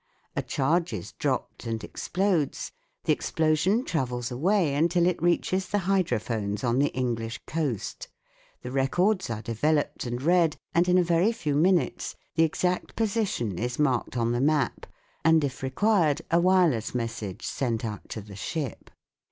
A charge is dropped and explodes : the explosion travels away until it reaches the hydro phones on the English coast, the records are devel oped and read, and in a very few minutes the exact position is marked on the map, and if required a wireless message sent out to the ship.